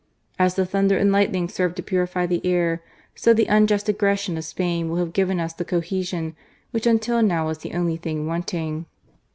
As the thunder and lightning serve to purify the air, so the unjust aggression of Spain will have given us the cohesion which until now was the only thing wanting."